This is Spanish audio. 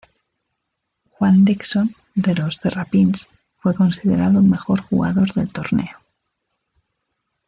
Juan Dixon, de los Terrapins, fue considerado Mejor Jugador del Torneo.